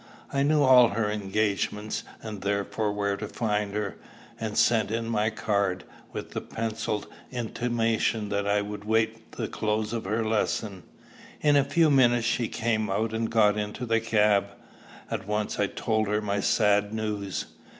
I knew all her engagements, and therefore where to find her; and sent in my card, with the pencilled intimation that I would wait the close of her lesson. In a few minutes she came out and got into the cab. At once I told her my sad news.